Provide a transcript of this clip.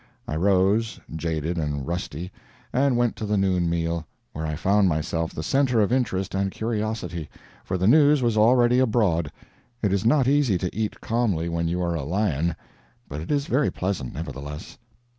I rose, jaded and rusty, and went to the noon meal, where I found myself the center of interest and curiosity; for the news was already abroad. It is not easy to eat calmly when you are a lion; but it is very pleasant, nevertheless.